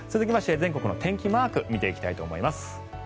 続いて全国の天気マークを見ていきたいと思います。